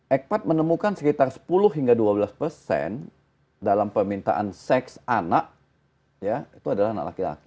ekpat menemukan sekitar sepuluh hingga dua belas persen dalam permintaan seks anak ya itu adalah anak laki laki